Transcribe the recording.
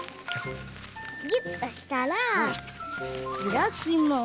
ぎゅっとしたらひらきます。